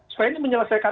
supaya ini menyelesaikan